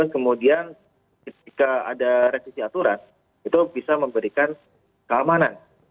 kemudian ketika ada revisi aturan itu bisa memberikan keamanan